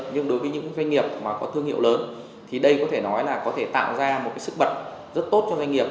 nhưng đối với những doanh nghiệp mà có thương hiệu lớn thì đây có thể nói là có thể tạo ra một cái sức bật rất tốt cho doanh nghiệp